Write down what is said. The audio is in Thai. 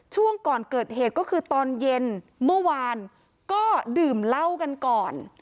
ช่วงก่อนเกิดเหตุก็คือตอนเย็นเมื่อวานก็ดื่มเหล้ากันก่อน